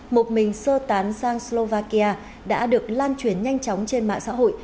một mình sơ tán sang slovakia đã được lan truyền nhanh chóng trên mạng xã hội